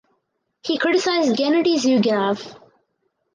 He criticized Gennady Zyuganov.